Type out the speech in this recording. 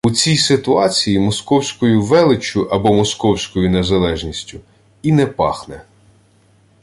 У цій ситуації московською величчю, або московською незалежністю, і «не пахне»